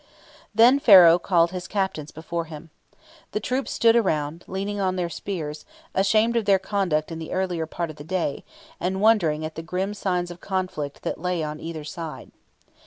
Then Pharaoh called his Captains before him. The troops stood around, leaning on their spears, ashamed of their conduct in the earlier part of the day, and wondering at the grim signs of conflict that lay on every side.